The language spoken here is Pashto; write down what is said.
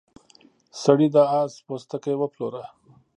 سړي د اس پوستکی وپلوره.